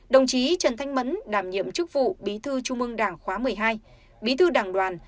đồng chí trần thanh mẫn đảm nhiệm chức vụ bí thư trung ương đảng khóa một mươi hai bí thư đảng đoàn